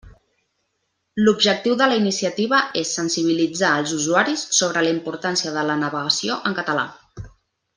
L'objectiu de la iniciativa és sensibilitzar els usuaris sobre la importància de la navegació en català.